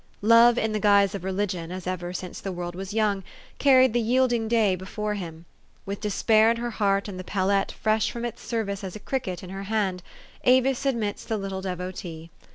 Love in the guise of religion, as ever since the world was young, carried the yielding day before him. With despair in her heart and the palette fresh from its service as a cricket in her hand, Avis admits the little devotee.